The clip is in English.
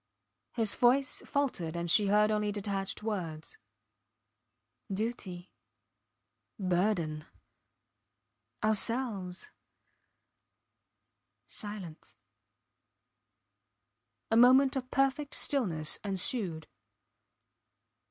... His voice faltered, and she heard only detached words. ... Duty. ... Burden. ... Ourselves. ... Silence. A moment of perfect stillness ensued.